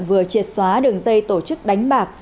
vừa triệt xóa đường dây tổ chức đánh bạc